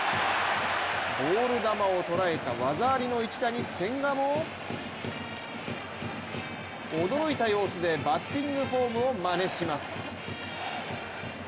ボール球をとらえた技ありの一打に千賀も驚いた様子でバッティングフォームをまねします。